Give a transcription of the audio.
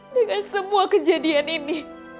dengan semua kejadian ini